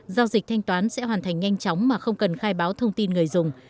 giao dịch thanh toán sẽ hoàn thành nhanh chóng mà không cần khai báo thông tin người dùng